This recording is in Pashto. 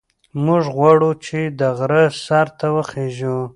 موږ غواړو چې د غره سر ته وخېژو.